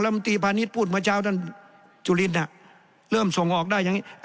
มตีพาณิชย์พูดเมื่อเช้าท่านจุลินเริ่มส่งออกได้อย่างนี้